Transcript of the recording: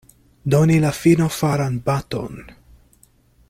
Doni la finofaran baton.